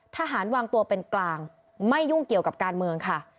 ทหารวางตัวเป็นกลางไม่ยุ่งเกี่ยวกับการเมืองค่ะ